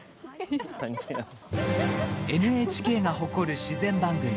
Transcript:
ＮＨＫが誇る自然番組。